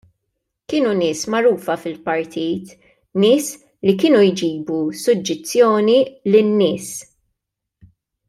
Kienu nies magħrufa fil-partit, nies li kienu jġibu suġġizzjoni lin-nies.